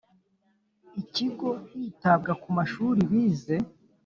Ikigo hitabwa ku mashuri bize